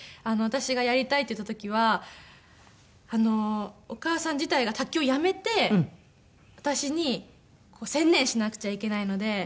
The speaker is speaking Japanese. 私がやりたいって言った時はお母さん自体が卓球をやめて私に専念しなくちゃいけないので。